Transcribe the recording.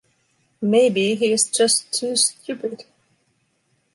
Maybe he's just too stupid.